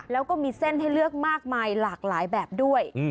แล้วก็มีเส้นให้เลือกมากมายหลากหลายแบบด้วย